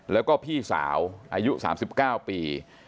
แล้วก็พี่สาวอายุ๓๙ปี